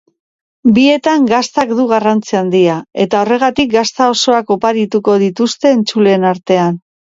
Bietan gaztak du garrantzi handia eta horregatik gazta osoak oparituko dituzte entzuleen artean.